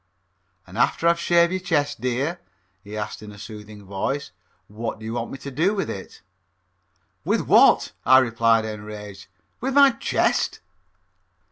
"An' after I've shaved your chest, dear," he asked in a soothing voice, "what do you want me to do with it?" "With what?" I replied, enraged, "with my chest?"